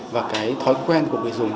và cái thói quen của người dùng